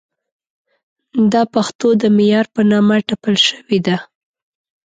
دا پښتو د معیار په نامه ټپل شوې ده.